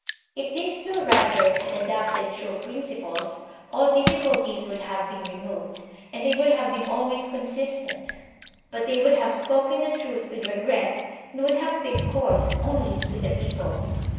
If these two writers had adopted true principles, all difficulties would have been removed, and they would have been always con sistent; but they would have spoken the truUi with 24 THE SOCIAL CONTRACT regret, and would have paid court only to the people.